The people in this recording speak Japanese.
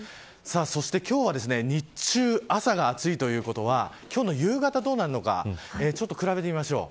そして今日は日中朝が暑いということは今日の夕方どうなるのか比べてみましょう。